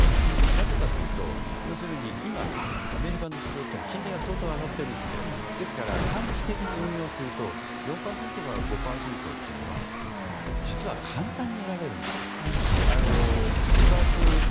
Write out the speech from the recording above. なぜかというと要するに今、アメリカの市場は金利が相当上がっているのでですから、短期的に運用すると４％から５％というのは実は簡単に得られるんですよ。